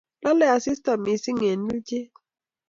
Lolei asista missing eng ilchet